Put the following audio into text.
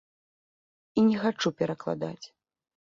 І не хачу перакладаць.